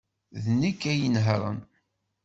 D nekk ay inehhṛen.